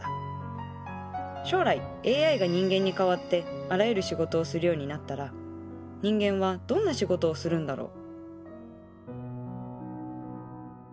将来ＡＩが人間に代わってあらゆる仕事をするようになったら人間はどんな仕事をするんだろう？